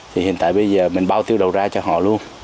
thì hiện tại bây giờ mình bao tiêu đầu ra cho họ luôn